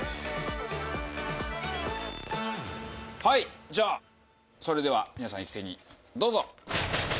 はいじゃあそれでは皆さん一斉にどうぞ！